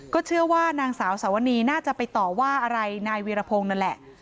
เชื่อว่านางสาวสวนีน่าจะไปต่อว่าอะไรนายวีรพงศ์นั่นแหละ